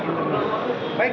baik terima kasih